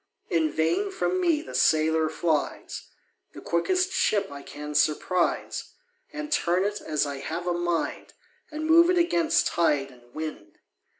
In vain from me the sailor flies, The quickest ship I can surprise, And turn it as I have a mind, And move it against tide and wind.